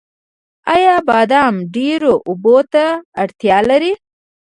آیا بادام ډیرو اوبو ته اړتیا لري؟